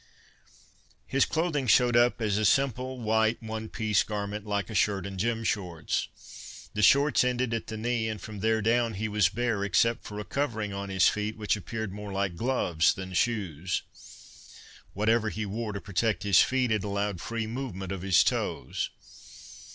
His clothing showed up as a simple, white, one piece garment, like a shirt and gym shorts. The shorts ended at the knee, and from there down he was bare except for a covering on his feet which appeared more like gloves than shoes. Whatever he wore to protect his feet, it allowed free movement of his toes.